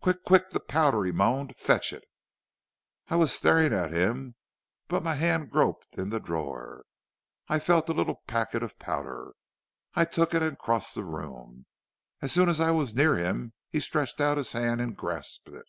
"'Quick, quick, the powder!' he moaned; 'fetch it!' "I was staring at him, but my hand groped in the drawer. I felt a little packet of powder; I took it and crossed the room. As soon as I was near him he stretched out his hand and grasped it.